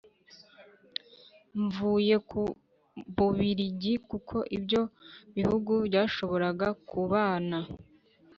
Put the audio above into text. Yvuye ku Bubirigi kuko ibyo bihugu byashoboraga kubana